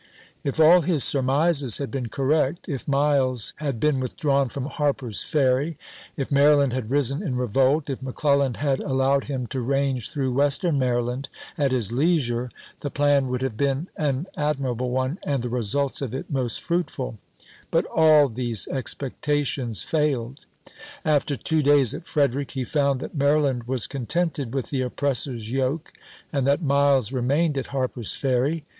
If all his surmises had been correct, if Miles had been withdrawn from Harper's Ferry, if Maryland had risen in revolt, if McClellan had allowed him to range through Western Maryland at his leisure, the plan would have been an ad mirable one and the results of it most fruitful; but all these expectations failed. After two days at Frederick he found that Maryland was con tented with the oppressor's yoke, and that Miles remained at Harper's Ferry.